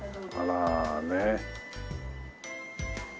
あらねっ。